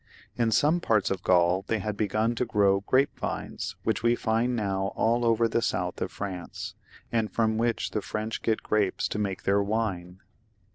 In some parts of Gaul they had begun to grow the vine, which we find now all over the south of France, and from which the French get grapes to make their wine.